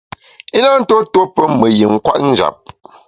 I na ntuo tuo pé me yin kwet njap.